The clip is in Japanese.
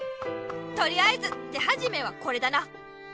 とりあえず手はじめはこれだな。